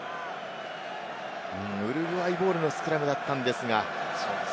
ウルグアイボールのスクラムでしたが。